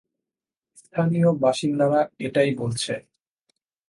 স্থানীয় বাসিন্দারা এটাই বলছে।